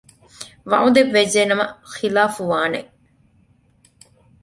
ވަޢުދެއްވެއްޖެނަމަ ޚިލާފުވާނެ